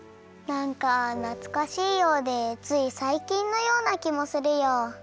なんかなつかしいようでついさいきんのようなきもするよ。